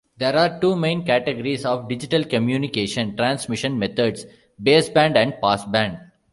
There are two main categories of digital communication transmission methods: baseband and passband.